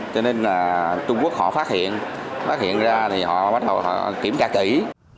cho nên là trung quốc họ phát hiện phát hiện ra thì họ bắt đầu họ kiểm tra kỹ